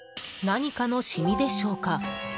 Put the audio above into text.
何かのシミでしょうか。